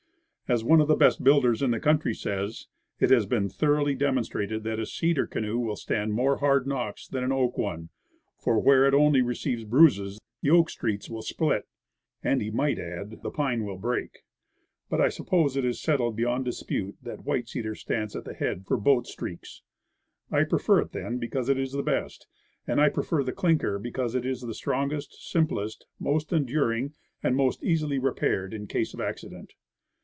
As one of the best builders in the country says, "It has been thoroughly demonstrated that a cedar canoe will stand more hard knocks than an oak one; for where it only re ceives bruises, the oak streaks will split." And he might add, the pine will break. But I suppose it is settled beyond dispute that white cedar stands at the head for boat streaks. I prefer it, then, because it is the best. And I prefer the clinker, because it is the strongest, simplest, most enduring, and most easily repaired in case of accident.